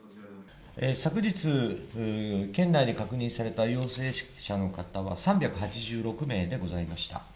昨日、県内で確認された陽性者の方は３８６名でございました。